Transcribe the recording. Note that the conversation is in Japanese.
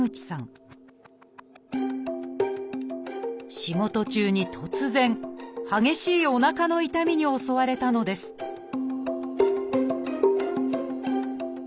仕事中に突然激しいおなかの痛みに襲われたのですしゃがみ込んで。